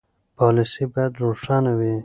پالیسي باید روښانه وي.